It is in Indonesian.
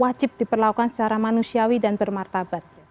wajib diperlakukan secara manusiawi dan bermartabat